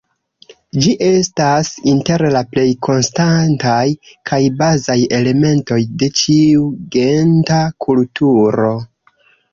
Ĝi estas inter la plej konstantaj kaj bazaj elementoj de ĉiu genta kulturo.